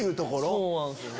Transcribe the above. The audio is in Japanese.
そうなんすよね。